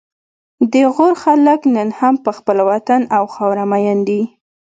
د غور خلک نن هم په خپل وطن او خاوره مین دي